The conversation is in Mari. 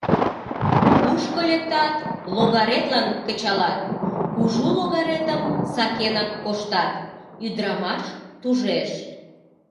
Кушко лектат, логаретлан кычалат, кужу логаретым сакенак коштат! — ӱдырамаш тужеш.